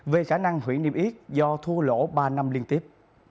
về khả năng hủy niệm ít do thua lỗ ba năm liên tiếp